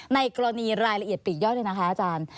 ในกรณีรายละเอียดปีกย่อยเลยนะคะอาจารย์